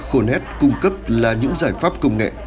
khôn hét cung cấp là những giải pháp công nghệ